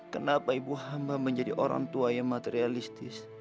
kenapa ibu hamba menjadi orang tua yang materialistis